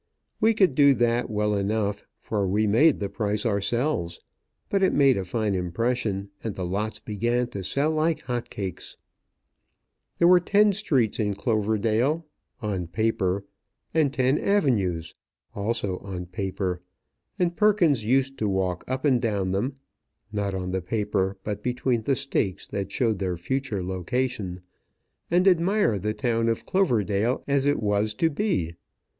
We could do that well enough, for we made the price ourselves; but it made a fine impression, and the lots began to sell like hot cakes. [Illustration: 80] There were ten streets in Cloverdale (on paper) and ten avenues (also on paper); and Perkins used to walk up and down them (not on the paper, but between the stakes that showed their future location), and admire the town of Cloverdale as it was to be.